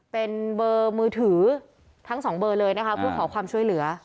เป็นเบอร์มือถือทั้งสองเบอร์เลยนะคะเพื่อขอความช่วยเหลือ